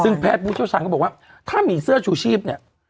ซึ่งแพทย์พุทธชาญก็บอกว่าถ้ามีเสื้อชูชีพเนี่ย